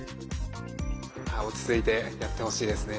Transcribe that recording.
落ち着いてやってほしいですね。